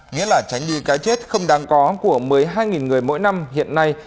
nghĩa là tránh đi cái chết không đáng có của một mươi hai người mỗi năm hiện nay